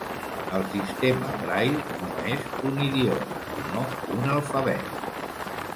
El sistema braille no és un idioma, sinó un alfabet.